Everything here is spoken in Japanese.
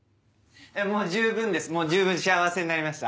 もう十分ですもう十分幸せになりました。